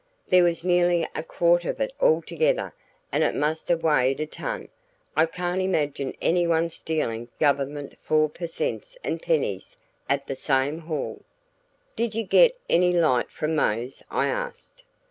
There was nearly a quart of it altogether and it must have weighed a ton. I can't imagine anyone stealing Government four per cents and pennies at the same haul." "Did you get any light from Mose?" I asked.